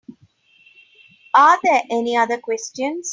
Are there any other questions?